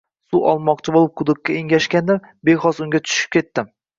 Suv olmoqchi bo‘lib quduqqa engashgandim, bexos unga tushib ketdim.